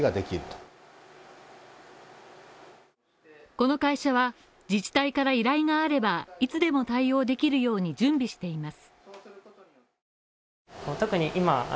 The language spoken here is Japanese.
この会社は、自治体から依頼があればいつでも対応できるように準備しています